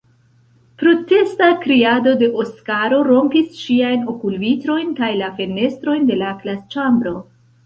Protesta kriado de Oskaro rompis ŝiajn okulvitrojn kaj la fenestrojn de la klasĉambro.